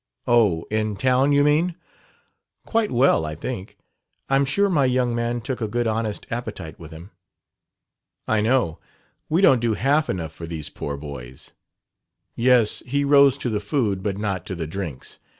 "Oh, in town, you mean? Quite well, I think. I'm sure my young man took a good honest appetite with him!" "I know. We don't do half enough for these poor boys." "Yes, he rose to the food. But not to the drinks.